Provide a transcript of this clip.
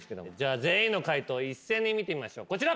全員の解答一斉に見てみましょうこちら。